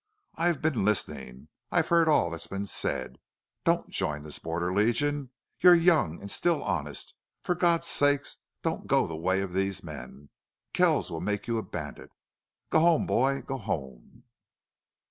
"I've been listening. I've heard all that's been said. Don't join this Border Legion.... You're young and still, honest. For God's sake don't go the way of these men! Kells will make you a bandit.... Go home boy go home!"